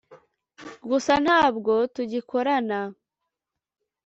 gusa ntabwo tugikorana